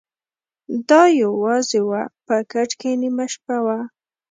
د ا یوازي وه په کټ کي نیمه شپه وه